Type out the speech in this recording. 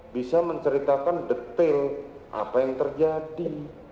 bisa menceritakan detail apa yang terjadi